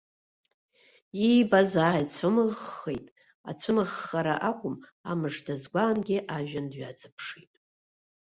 Иибаз ааицәымыӷхеит, ацәымӷхара акәым, амш дазгәаангьы ажәҩан дҩаҵаԥшит.